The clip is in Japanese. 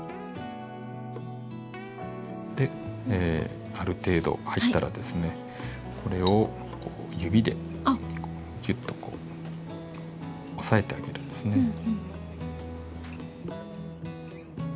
である程度入ったらですねこれを指でギュッとこう押さえてあげるんですね。